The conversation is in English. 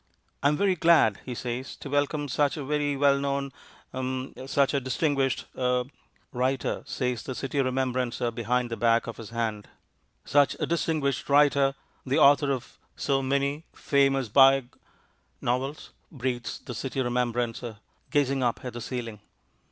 "I am very glad," he says, "to welcome such a very well known h'm such a distinguished er " "Writer," says the City Remembrancer behind the hack of his hand. "Such a distinguished writer. The author of so many famous biog " "Novels," breathes the City Remembrancer, gazing up at the ceiling.